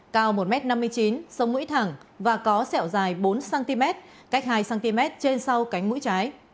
cao một m năm mươi chín sông mũi thẳng và có sẹo dài bốn cm cách hai cm trên sau cánh mũi trái